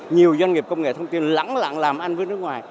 nhiều doanh nghiệp công nghệ thông tin lắng lặng làm ăn với nước ngoài